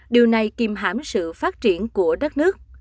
điều này kìm hãm sự phát triển của đất nước